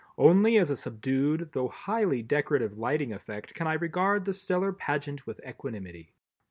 Only as a subdued though highly decorative lighting effect can I regard the stellar pageant with equanimity.